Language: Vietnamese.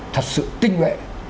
thật sự tinh lệ